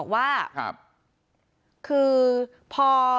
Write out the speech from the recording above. เขาบอกเป็นตำรวจ